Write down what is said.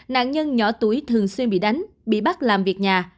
nạn nhân nhỏ tuổi thường xuyên bị đánh bị bắt làm việc nhà